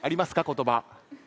言葉。